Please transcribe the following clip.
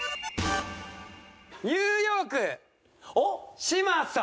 ニューヨーク嶋佐。